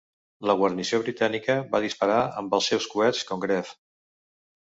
La guarnició britànica va disparar amb els seus coets Congreve.